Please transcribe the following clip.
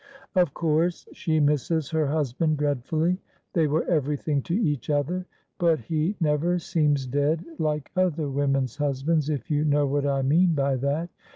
Of course she misses her husband dreadfully they were everything to each other but he never seems dead like other women's husbands, if you know what I mean by that.